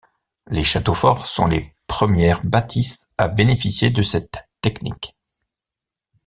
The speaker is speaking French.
Les châteaux-forts sont les premières bâtisses à bénéficier de cette technique.